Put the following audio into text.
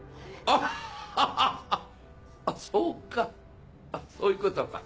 あっそうかあっそういうことか。